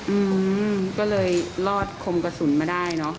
อืมก็เลยรอดคมกระสุนมาได้เนอะ